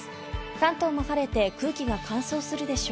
関東も晴れて空気が乾燥するでしょう。